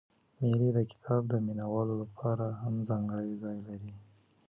مېلې د کتاب د مینه والو له پاره هم ځانګړى ځای لري.